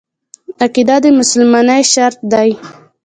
عقیده د مسلمانۍ شرط دی.